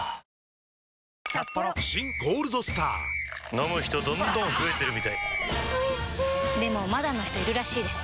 飲む人どんどん増えてるみたいおいしでもまだの人いるらしいですよ